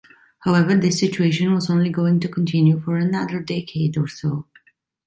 However, this situation was only going to continue for another decade or so.